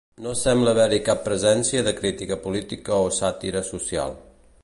No sembla haver-hi cap presència de crítica política o sàtira social.